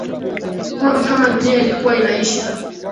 Kwamba kama dunia ilikuwa inaisha